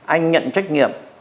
anh nhận trách nhiệm